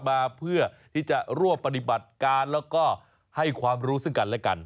มาเพื่อที่จะรวบปฏิบัติการแล้วก็ให้ความรู้ซึ่งกันและกัน